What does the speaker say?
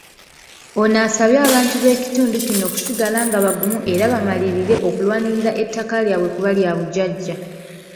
Ono asabye abantu b’ekitundu kino okusigala nga bagumu era bamalirire okulwanirira ettaka lyabwe kuba lya bujjajja.